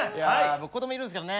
僕子供いるんですけどね。